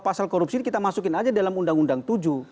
pasal korupsi kita masukin aja dalam undang undang tujuh